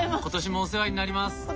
今年もお世話になります。